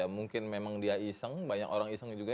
mungkin memang dia iseng banyak orang iseng juga